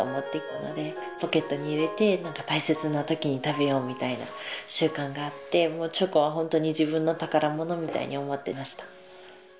ポケットに入れて大切なときに食べようみたいな習慣があってチョコは本当に自分の宝物みたいに思ってました。